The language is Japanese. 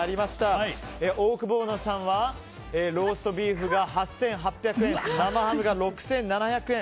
オオクボーノさんはローストビーフが８８００円生ハムが６７００円。